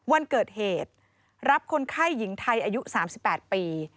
วันเกิดเหตุรับคนไข้หญิงไทยอายุ๓๘ปี